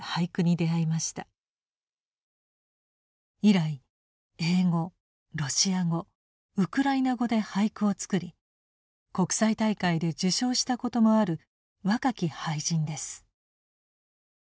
以来英語ロシア語ウクライナ語で俳句を作り国際大会で受賞したこともある若き俳人です。